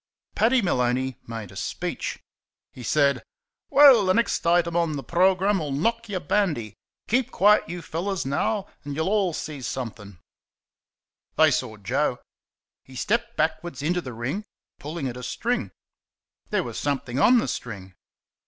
Paddy Maloney made a speech. He said: "Well, the next item on the programme'll knock y' bandy. Keep quiet, you fellows, now, an' y'll see somethin'." They saw Joe. He stepped backwards into the ring, pulling at a string. There was something on the string.